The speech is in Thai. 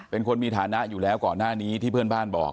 เป็นคนมีฐานะอยู่แล้วก่อนหน้านี้ที่เพื่อนบ้านบอก